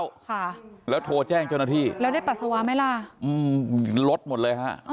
ค่ะแล้วโทรแจ้งเจ้าหน้าที่แล้วได้ปัสสาวะไหมล่ะอืมลดหมดเลยฮะ